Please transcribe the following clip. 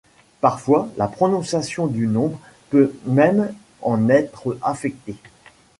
Parfois, la prononciation du nombre peut même en être affectée.